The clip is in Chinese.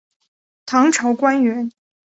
唐朝官员。